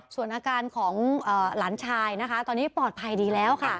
ส่วนอาการของหลานชายนะคะตอนนี้ปลอดภัยดีแล้วค่ะ